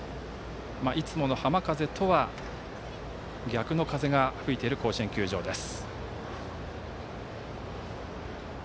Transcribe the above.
いつもの浜風とは逆の風が吹いている甲子園球場です。